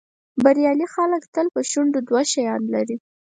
بریالي خلک تل په شونډو دوه شیان لري.